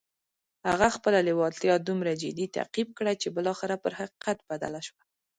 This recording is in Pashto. هغه خپله لېوالتیا دومره جدي تعقيب کړه چې بالاخره پر حقيقت بدله شوه.